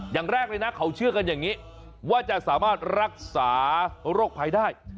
อย่างแรกเลยนะเขาเชื่อกันอย่างนี้ว่าจะสามารถรักษาโรคภัยได้